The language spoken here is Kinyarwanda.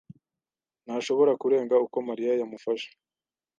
ntashobora kurenga uko Mariya yamufashe.